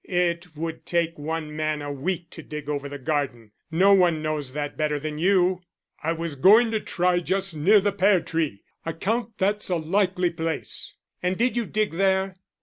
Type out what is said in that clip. "It would take one man a week to dig over the garden. No one knows that better than you." "I was going to try just near the pear tree. I count that's a likely place." "And did you dig there?"